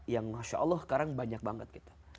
yang masya allah sekarang banyak banget kita